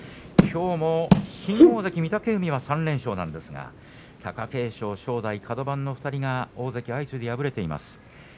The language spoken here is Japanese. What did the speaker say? きょうも新大関御嶽海は３連勝なんですが貴景勝、正代カド番の２人大関相次いで敗れています。